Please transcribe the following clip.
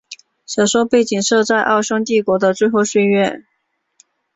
小说背景设在奥匈帝国的最后岁月。